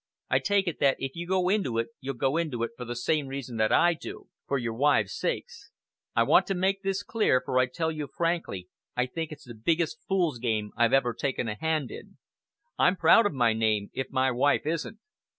I take it that if you go into it you'll go into it for the same reason that I do for your wives' sakes. I want to make this clear, for I tell you frankly I think it's the biggest fool's game I've ever taken a hand in. I'm proud of my name, if my wife isn't.